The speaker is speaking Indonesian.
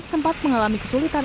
sempat mengalami kesulitan